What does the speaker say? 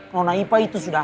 nona ipa itu sudah